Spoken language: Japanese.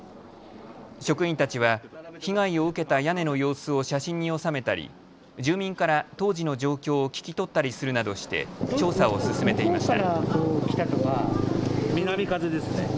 職員たちは被害を受けた屋根の様子を写真に収めたり住民から当時の状況を聞き取ったりするなどして調査を進めていました。